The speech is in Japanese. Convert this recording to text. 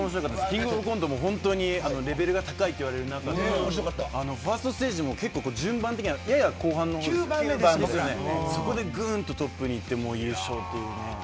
キングオブコントもレベルが高い中でファーストステージも順番的にはやや後半でそこでぐんとトップにいって優勝。